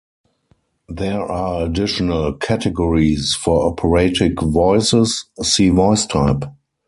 There are additional categories for operatic voices, see voice type.